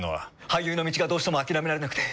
俳優の道がどうしても諦められなくて。